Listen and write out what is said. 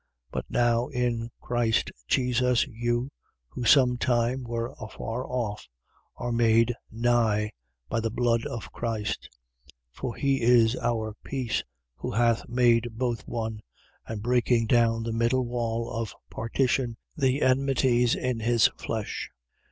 2:13. But now in Christ Jesus, you, who some time were afar off, are made nigh by the blood of Christ. 2:14. For he is our peace, who hath made both one, and breaking down the middle wall of partition, the enmities in his flesh: 2:15.